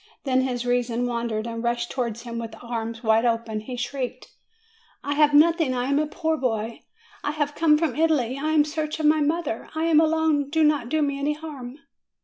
Then his reason wandered, and rushing towards him with arms wide open, he shrieked, "I have nothing; I am a poor boy; I have come from Italy ; I am in search of my mother ; I am alone : do not do me any harm